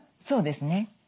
そうですね。